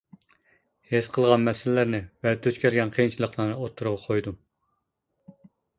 ھېس قىلغان مەسىلىلەرنى ۋە دۇچ كەلگەن قىيىنچىلىقلارنى ئوتتۇرىغا قويدۇم.